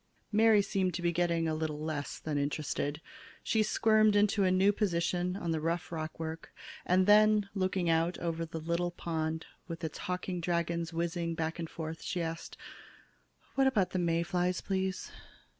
Mary seemed to be getting a little less than interested. She squirmed into a new position on the rough rockwork and then, looking out over the little pond with its hawking dragons whizzing back and forth, she asked: "What about the May flies, please?"